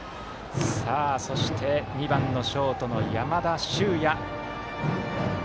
そして２番、ショート山田脩也。